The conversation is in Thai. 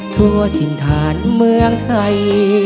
ทั่วถิ่นฐานเมืองไทย